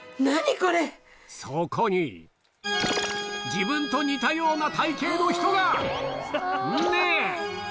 自分と似たような体形の人が！